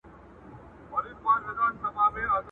د لېوه له خولې به ولاړ سمه قصاب ته٫